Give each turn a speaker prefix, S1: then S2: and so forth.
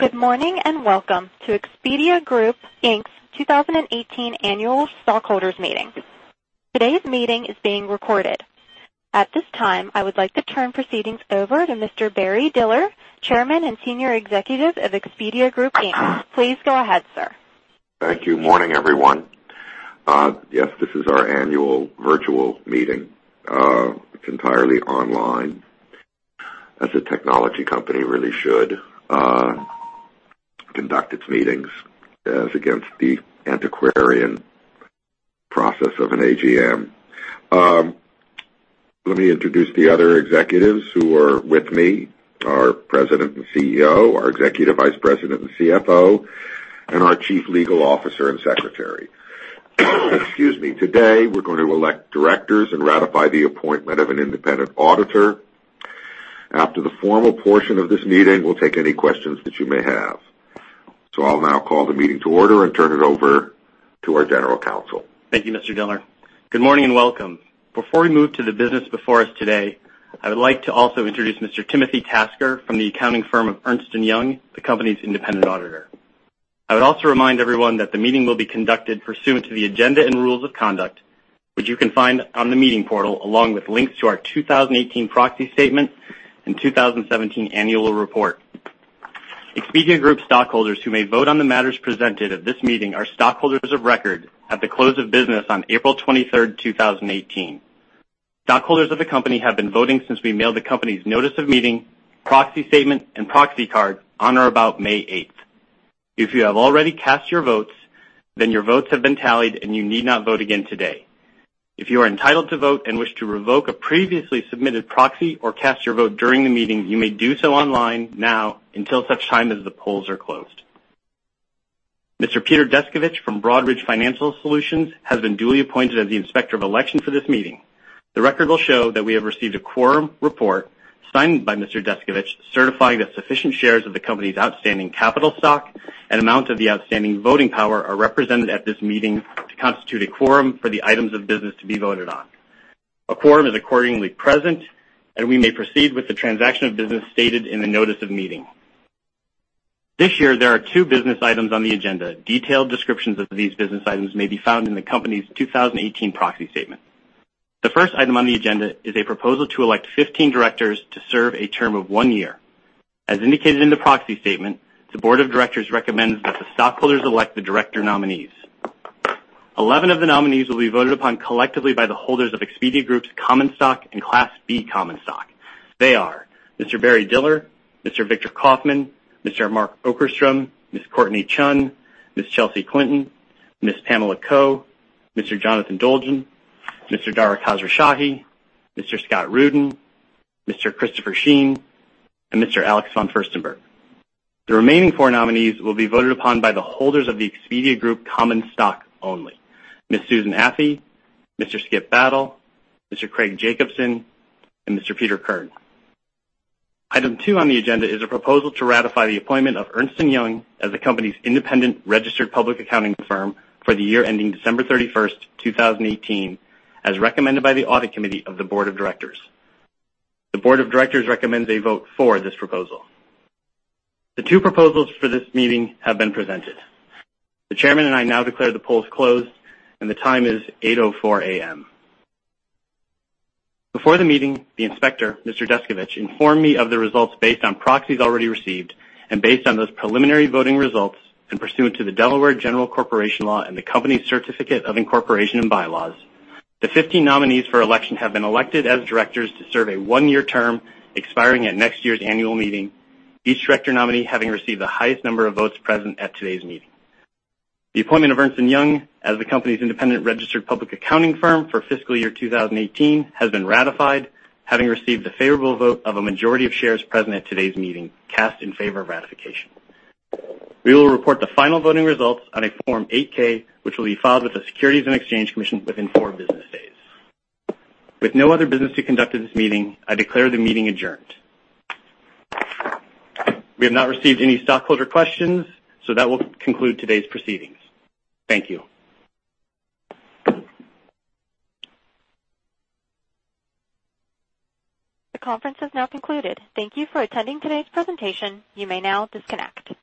S1: Good morning, and welcome to Expedia Group, Inc.'s 2018 annual stockholders meeting. Today's meeting is being recorded. At this time, I would like to turn proceedings over to Mr. Barry Diller, Chairman and Senior Executive of Expedia Group, Inc.. Please go ahead, sir.
S2: Thank you. Morning, everyone. Yes, this is our annual virtual meeting. It's entirely online, as a technology company really should conduct its meetings, as against the antiquarian process of an AGM. Let me introduce the other executives who are with me, our President and CEO, our Executive Vice President and CFO, and our Chief Legal Officer and Secretary. Excuse me. Today, we're going to elect directors and ratify the appointment of an independent auditor. After the formal portion of this meeting, we'll take any questions that you may have. I'll now call the meeting to order and turn it over to our General Counsel.
S3: Thank you, Mr. Diller. Good morning, and welcome. Before we move to the business before us today, I would like to also introduce Mr. Timothy Tasker from the accounting firm of Ernst & Young, the company's independent auditor. I would also remind everyone that the meeting will be conducted pursuant to the agenda and rules of conduct, which you can find on the meeting portal, along with links to our 2018 proxy statement and 2017 annual report. Expedia Group stockholders who may vote on the matters presented at this meeting are stockholders of record at the close of business on April 23rd, 2018. Stockholders of the company have been voting since we mailed the company's notice of meeting, proxy statement, and proxy card on or about May 8th. If you have already cast your votes, your votes have been tallied, and you need not vote again today. If you are entitled to vote and wish to revoke a previously submitted proxy or cast your vote during the meeting, you may do so online now until such time as the polls are closed. Mr. Peter Deskovich from Broadridge Financial Solutions has been duly appointed as the Inspector of Election for this meeting. The record will show that we have received a quorum report signed by Mr. Deskovich, certifying that sufficient shares of the company's outstanding capital stock and amount of the outstanding voting power are represented at this meeting to constitute a quorum for the items of business to be voted on. A quorum is accordingly present, and we may proceed with the transaction of business stated in the notice of meeting. This year, there are two business items on the agenda. Detailed descriptions of these business items may be found in the company's 2018 proxy statement. The first item on the agenda is a proposal to elect 15 directors to serve a term of one year. As indicated in the proxy statement, the Board of Directors recommends that the stockholders elect the director nominees. 11 of the nominees will be voted upon collectively by the holders of Expedia Group's common stock and Class B common stock. They are Mr. Barry Diller, Mr. Victor Kaufman, Mr. Mark Okerstrom, Ms. Courtnee Chun, Ms. Chelsea Clinton, Ms. Pamela Coe, Mr. Jonathan Dolgen, Mr. Dara Khosrowshahi, Mr. Scott Rudin, Mr. Christopher Shean, and Mr. Alex von Furstenberg. The remaining four nominees will be voted upon by the holders of the Expedia Group common stock only. Ms. Susan Athey, Mr. Skip Battle, Mr. Craig Jacobson, and Mr. Peter Kern. Item two on the agenda is a proposal to ratify the appointment of Ernst & Young as the company's independent registered public accounting firm for the year ending December 31st, 2018, as recommended by the audit committee of the Board of Directors. The Board of Directors recommends a vote for this proposal. The two proposals for this meeting have been presented. The chairman and I now declare the polls closed, and the time is 8:04 A.M. Before the meeting, the inspector, Mr. Deskovich, informed me of the results based on proxies already received, and based on those preliminary voting results, and pursuant to the Delaware General Corporation Law and the company's certificate of incorporation and bylaws, the 15 nominees for election have been elected as directors to serve a one-year term expiring at next year's annual meeting, each director nominee having received the highest number of votes present at today's meeting. The appointment of Ernst & Young as the company's independent registered public accounting firm for fiscal year 2018 has been ratified, having received the favorable vote of a majority of shares present at today's meeting, cast in favor of ratification. We will report the final voting results on a Form 8-K, which will be filed with the Securities and Exchange Commission within four business days. With no other business to conduct at this meeting, I declare the meeting adjourned. We have not received any stockholder questions, that will conclude today's proceedings. Thank you.
S1: The conference has now concluded. Thank you for attending today's presentation. You may now disconnect.